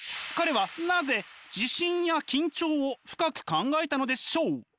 彼はなぜ自信や緊張を深く考えたのでしょう？